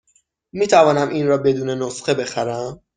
می توانم این را بدون نسخه بخرم؟